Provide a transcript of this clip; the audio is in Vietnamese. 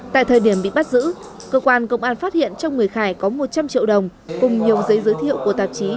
tại thời điểm bị bắt giữ cơ quan công an phát hiện trong người khải có một trăm linh triệu đồng cùng nhiều giấy giới thiệu của tạp chí